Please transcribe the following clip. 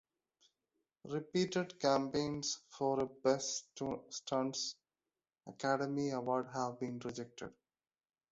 Repeated campaigns for a "Best Stunts" Academy Award have been rejected.